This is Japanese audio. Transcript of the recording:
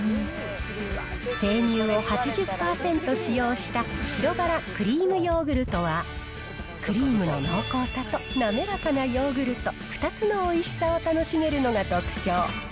生乳を８０％使用した白バラクリームヨーグルトは、クリームの濃厚さと滑らかなヨーグルト、２つのおいしさを楽しめるのが特徴。